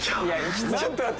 ちょっと待って。